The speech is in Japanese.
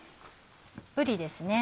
ぶりですね。